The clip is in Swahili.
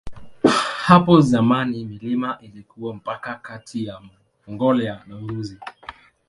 Hapo zamani milima ilikuwa mpaka kati ya Mongolia na Urusi.